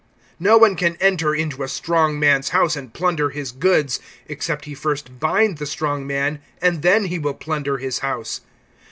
(27)No one can enter into a strong man's house, and plunder his goods, except he first bind the strong man; and then he will plunder his house.